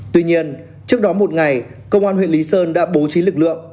tuy nhiên trước đó một ngày công an huyện lý sơn đã bố trí lực lượng